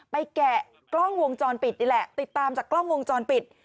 แกะกล้องวงจรปิดนี่แหละติดตามจากกล้องวงจรปิด